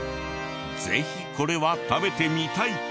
ぜひこれは食べてみたい！